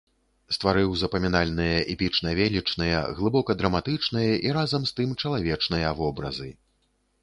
Стварыў запамінальныя эпічна-велічныя, глыбока драматычныя і разам з тым чалавечныя вобразы.